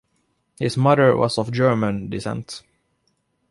His mother was of German descent.